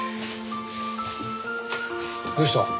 どうした？